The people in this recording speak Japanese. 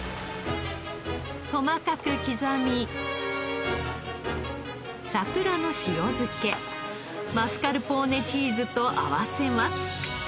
細かく刻み桜の塩漬けマスカルポーネチーズと合わせます。